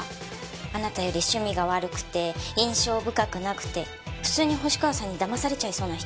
あなたより趣味が悪くて印象深くなくて普通に星川さんに騙されちゃいそうな人。